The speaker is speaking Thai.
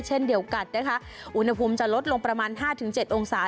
เช่นเดี่ยวกัดนะคะอุณหภูมิจะลดลงประมาณห้าถึงเจ็ดองศา